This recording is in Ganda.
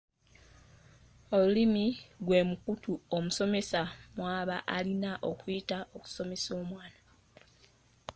Olulimi gwe mukutu omusomesa mw’aba alina okuyita okusomesa omwana.